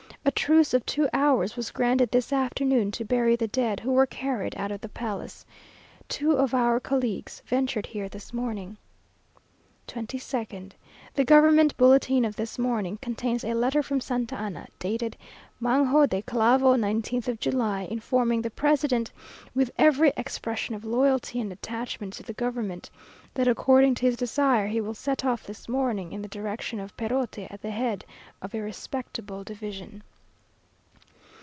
A truce of two hours was granted this afternoon, to bury the dead, who were carried out of the palace. Two of our colleagues ventured here this morning. 22nd. The government bulletin of this morning contains a letter from Santa Anna, dated Mango de Clavo, 19th of July, informing the president, with every expression of loyalty and attachment to the government, that according to his desire he will set off this morning in the direction of Perote, "at the head of a respectable division."